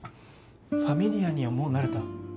ファミリ家にはもう慣れた？